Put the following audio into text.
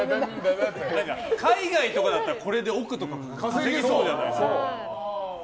海外とかだったら、これで億とか稼げそうじゃないですか。